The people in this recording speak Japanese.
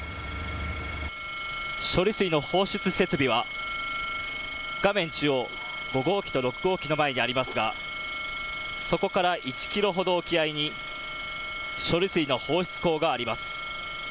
処理水の放出設備は画面中央、５号機と６号機の前にありますがそこから１キロほど沖合に処理水の放出港があります。